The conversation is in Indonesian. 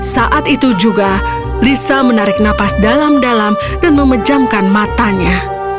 saat itu juga lisa menarik nafas dalam dalam dan memejamkan matanya